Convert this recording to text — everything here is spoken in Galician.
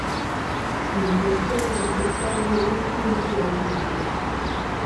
Na súa escola respectaba rigorosamente o laicismo.